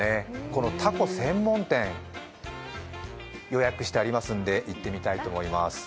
このたこ専門店予約してありますんで行ってみたいと思います。